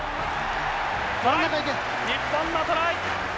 日本のトライ！